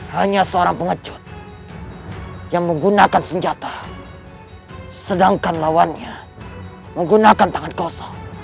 hanya seorang pengecut yang menggunakan senjata sedangkan lawannya menggunakan tangan kosong